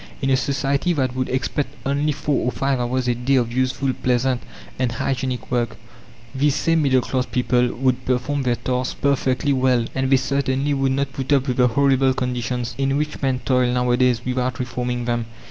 In a society that would expect only four or five hours a day of useful, pleasant, and hygienic work, these same middle class people would perform their task perfectly well, and they certainly would not put up with the horrible conditions in which men toil nowadays without reforming them.